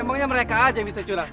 emangnya mereka aja yang bisa curang